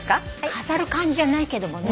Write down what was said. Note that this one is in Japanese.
飾る感じじゃないけどもね。